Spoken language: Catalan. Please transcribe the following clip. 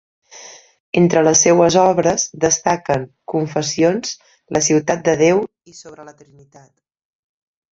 Entre les seues obres destaquen "Confessions", "La ciutat de Déu" i "Sobre la Trinitat".